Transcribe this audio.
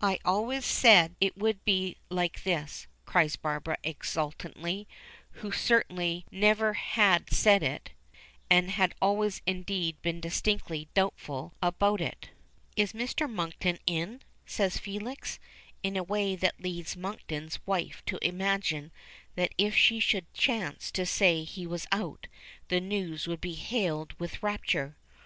I always said it would be like this," cries Barbara exultantly, who certainly never had said it, and had always indeed been distinctly doubtful about it. "Is Mr. Monkton in?" says Felix, in a way that leads Monkton's wife to imagine that if she should chance to say he was out, the news would be hailed with rapture.